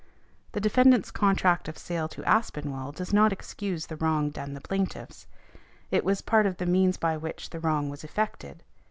The defendant's contract of sale to Aspinwall does not excuse the wrong done the plaintiffs. It was part of the means by which the wrong was effected.